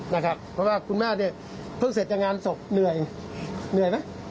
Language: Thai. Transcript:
เพราะว่าคุณแม่นี่เพิ่งเสร็จจังงานศพเหนื่อยไหม